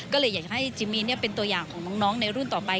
ก็เลยอยากให้จิมีนเป็นตัวอย่างของน้องในรุ่นต่อไป